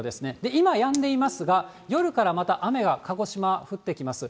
今やんでいますが、夜からまた雨が鹿児島、降ってきます。